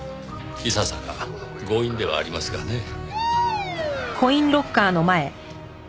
いささか強引ではありますがねぇ。